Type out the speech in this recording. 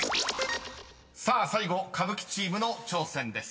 ［さあ最後歌舞伎チームの挑戦です］